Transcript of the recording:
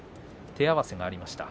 手合わせがありました。